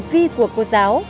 lúc ấy cô bảo